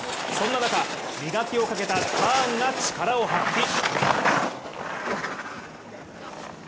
そんな中、磨きをかけたターンが力を発揮。